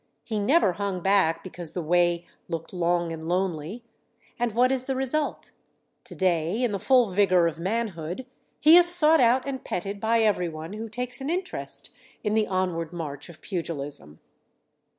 He never hung back because the way looked long and lonely. And what is the result? To day, in the full vigor of manhood, he is sought out and petted by everyone who takes an interest in the onward march of pugilism.